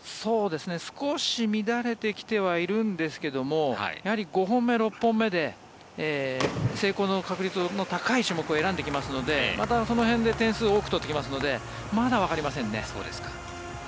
少し乱れてきてはいるんですけどもやはり５本目、６本目で成功の確率の高い種目を選んできますのでその辺で多く点を取ってきますのでまだわかりませんね。